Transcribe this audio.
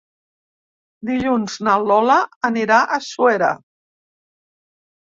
Dilluns na Lola anirà a Suera.